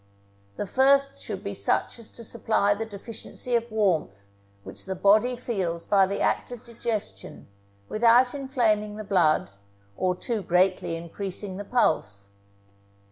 The first should be such as to supply the deficiency of warmth which the body feels by the act of digestion, without inflaming the blood, or too greatly increasing the pulse.